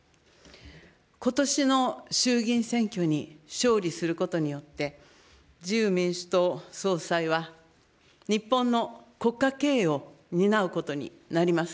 ことしの衆議院選挙に勝利することによって、自由民主党総裁は、日本の国家経営を担うことになります。